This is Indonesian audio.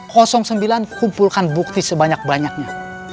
sembilan kumpulkan bukti sebanyak banyaknya